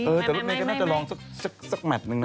เออแต่พี่นัทก็น่าจะลองสักสักสักแหมดหนึ่งนะ